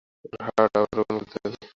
ওর heart আবার open করতে হবে।